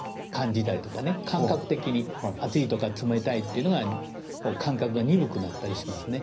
感覚的に熱いとか冷たいっていうのが感覚が鈍くなったりしますね。